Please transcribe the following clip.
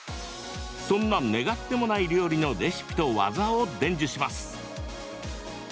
そんな願ってもない料理のレシピと技を伝授します。